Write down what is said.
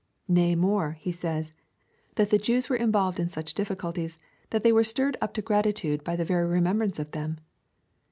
Nay more, he says, that the Jews were involved in such difficulties, that they were stirred up to gratitude by the very remembrance of them.